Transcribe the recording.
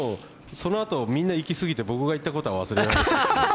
そのあと、みんな行きすぎて僕が行ったことは忘れられて。